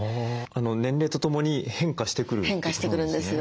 年齢とともに変化してくるってことなんですね。